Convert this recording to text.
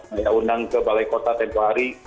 saya undang ke balai kota tempohari